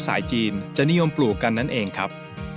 สายจีนจะนิยมปลูกกันนั่นเองครับ